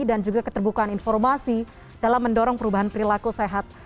dan juga keterbukaan informasi dalam mendorong perubahan perilaku sehat